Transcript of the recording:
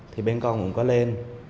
thì bên con cũng có lên